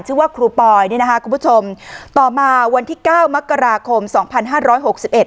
ครูปอยนี่นะคะคุณผู้ชมต่อมาวันที่เก้ามกราคมสองพันห้าร้อยหกสิบเอ็